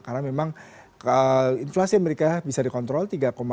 karena memang inflasi amerika bisa dikontrol tiga dua